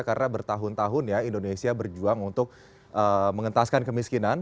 karena bertahun tahun ya indonesia berjuang untuk mengentaskan kemiskinan